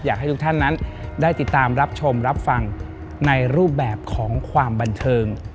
อยากให้ทุกท่านนั้นได้ติดตามรับชมรับฟังในรูปแบบของความบันเทิง